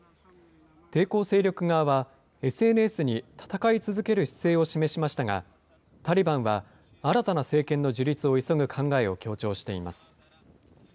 抵抗勢力側は、ＳＮＳに戦い続ける姿勢を示しましたが、タリバンは新たな政権の樹立を急ぐ考えを強調しています。